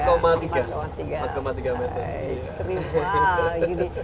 terima kasih yudi